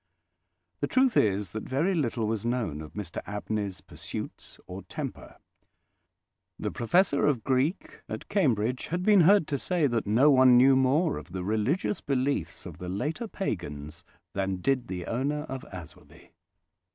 The truth is that very little was known of Mr Abney's pursuits or temper. The Professor of Greek at Cambridge had been heard to say that no one knew more of the religious beliefs of the later pagans than did the owner of Aswarby.